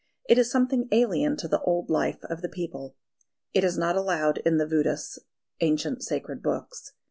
It is something alien to the old life of the people. It is not allowed in the Védas (ancient sacred books).